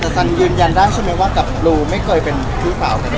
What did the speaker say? สังยืนยันได้ใช่มั้ยว่ากับบูไม่เคยเป็นพี่เปล่า